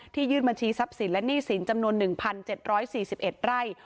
ยื่นบัญชีทรัพย์สินและหนี้สินจำนวน๑๗๔๑ไร่